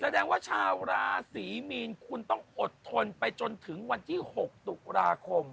แสดงว่าชาวราศรีมีนคุณต้องอดทนไปจนถึงวันที่๖ตุลาคม